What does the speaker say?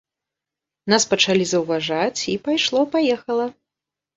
Нас пачалі заўважаць і пайшло-паехала.